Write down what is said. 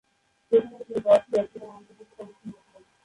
এছাড়াও, তিনি দশটি একদিনের আন্তর্জাতিকে অংশ নিয়েছিলেন।